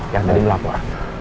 yang tadi melapar